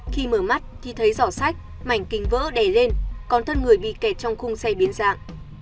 khi mở mắt thì thấy giỏ sách mảnh kinh vỡ đè lên còn thân người bị kẹt trong khung xe biến dạng